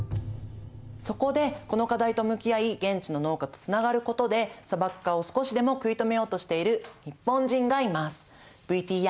そこでこの課題と向き合い現地の農家とつながることで砂漠化を少しでも食い止めようとしている日本人がいます。